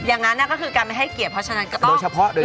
อย่างนั้นก็คือการไม่ให้เกียรติเพราะฉะนั้นก็ต้องโดยเฉพาะ